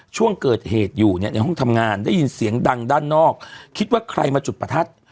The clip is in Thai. ช่วงเกิดเหตุอยู่เนี่ยในห้องทำงานได้ยินเสียงดังด้านนอกคิดว่าใครมาจุดประทัด